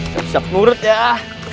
siap siap nurut ya